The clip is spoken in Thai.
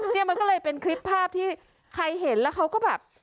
เนี่ยมันก็เลยเป็นคลิปภาพที่ใครเห็นแล้วเขาก็แบบ